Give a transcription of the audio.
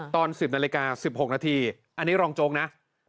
ตอน๑๐นาฬิกา๑๖นาทีอันนี้รองโจ๊กนะ